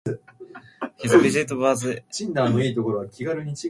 His visit was unannounced.